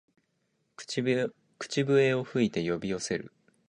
口笛を吹いて呼び寄せる